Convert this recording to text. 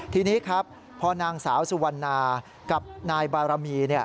ทีนี้ครับพอนางสาวสุวรรณากับนายบารมี